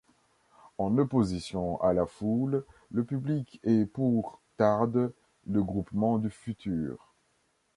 En opposition à la foule, le public est pour Tarde le groupement du futur.